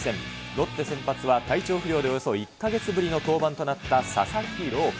ロッテ先発は、体調不良でおよそ１か月ぶりの登板となった佐々木朗希。